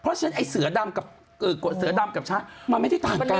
เพราะฉะนั้นไอ้เสือดำกับชาติมันไม่ได้ต่างการ